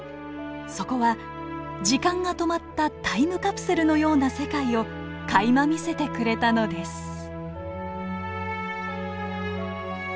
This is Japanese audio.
そこは時間が止まったタイムカプセルのような世界をかいま見せてくれたのです。